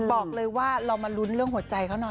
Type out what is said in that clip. บอกเลยว่าเรามาลุ้นเรื่องหัวใจเขาหน่อย